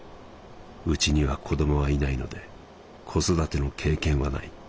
うちには子供はいないので子育ての経験はない。